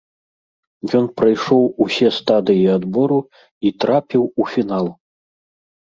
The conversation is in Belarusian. Ён прайшоў усе стадыі адбору і трапіў у фінал.